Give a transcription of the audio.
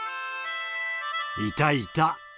「いた居た！